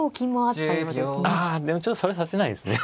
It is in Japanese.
あでもちょっとそれ指せないですね。